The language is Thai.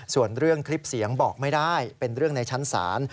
ส่วนเรื่องคลิปเสียงบอกไม่ได้เป็นเรื่องในชั้นศาล